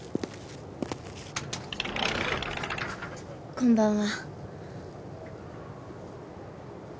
こんばんは。